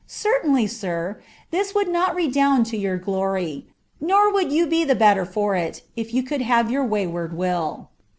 Certainly, sir, ihii wontd net redound to your glory; nor would you be the better for it, if you rould have your wayward will.'